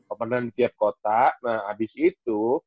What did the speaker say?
open run di tiap kota nah abis itu